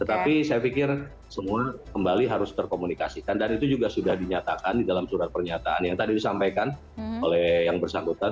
tetapi saya pikir semua kembali harus terkomunikasikan dan itu juga sudah dinyatakan di dalam surat pernyataan yang tadi disampaikan oleh yang bersangkutan